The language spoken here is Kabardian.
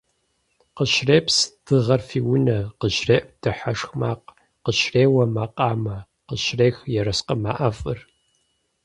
Къыщрепс дыгъэр фи унэ, къыщреӏу дыхьэшх макъ, къыщреуэ макъамэ, къыщӏрех ерыскъымэ ӏэфӏыр.